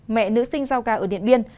mẹ nữ sinh rau gà ở điện biên